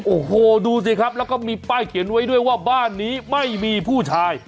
โอ้โหดูสิครับแล้วก็มีป้ายเขียนไว้ด้วยว่าบ้านนี้ไม่มีผู้ชาย